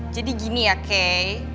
jadi gini ya kek